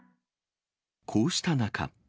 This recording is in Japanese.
こうした中。